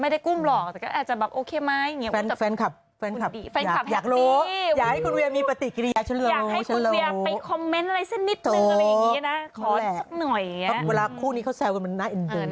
ใส่ครบโปรคล่องข้างล่างใช่ป่ะล่ะ